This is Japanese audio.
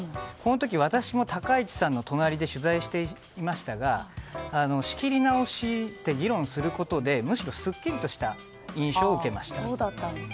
この時、私も高市さんの隣で取材していましたが仕切り直して議論することでむしろすっきりとした印象を受けました。